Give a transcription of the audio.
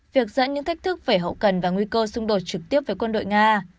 việc dẫn những thách thức về hậu cần và nguy cơ xung đột trực tiếp với quân đội nga